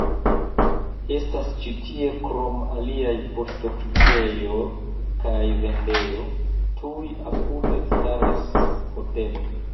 Estas ĉi tie krom aliaj poŝtoficejo kaj vendejo, tuj apude staras hotelo.